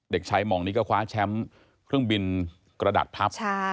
เด็กชายหม่องนี้ก็คว้าแชมป์เครื่องบินกระดาษทัพ